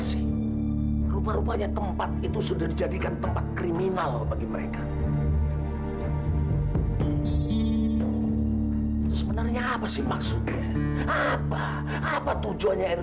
sampai jumpa di video selanjutnya